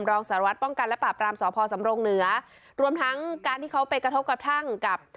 รองสารวัตรป้องกันและปราบรามสพสำรงเหนือรวมทั้งการที่เขาไปกระทบกระทั่งกับ